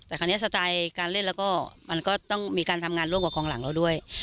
แต่คราวนี้สไตล์การเล่นแล้วก็มันก็ต้องมีการทำงานร่วมกับกองหลังเราด้วย